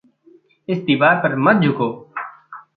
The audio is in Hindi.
इस दीवार पर मत झुँको।